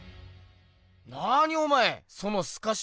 何おまえそのスカシは？